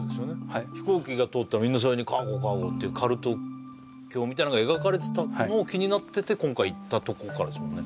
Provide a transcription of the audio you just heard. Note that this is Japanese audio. はい飛行機が通ったらみんなそれに「カーゴ！カーゴ！」ってカルト教みたいのが描かれてた気になってて今回行ったとこからですもんね